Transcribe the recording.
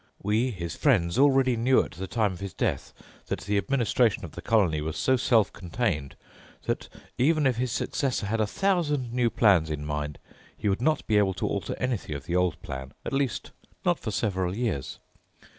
We, his friends, already knew at the time of his death that the administration of the colony was so self contained that even if his successor had a thousand new plans in mind, he would not be able to alter anything of the old plan, at least not for several years.